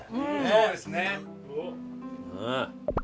そうですね。